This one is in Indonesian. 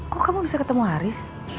kok kamu bisa ketemu haris